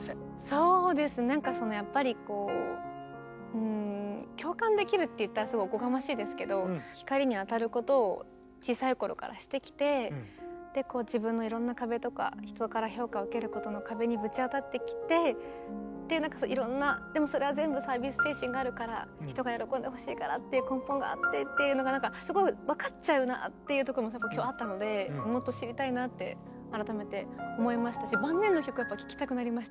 そうですねなんかそのやっぱりこう共感できるって言ったらすごいおこがましいですけど光に当たることを小さい頃からしてきて自分のいろんな壁とか人から評価を受けることの壁にぶち当たってきてでなんかいろんなでもそれは全部サービス精神があるから人が喜んでほしいからっていう根本があってっていうのがなんかすごい分かっちゃうなっていうとこも今日あったのでもっと知りたいなって改めて思いましたしそうでしょ。